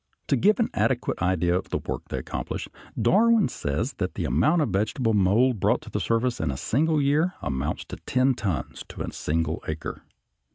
To give an adequate idea of the work they accomplish, Darwin says that the amount of vegetable mold brought to the surface in a single year amounts to ten tons to a single acre.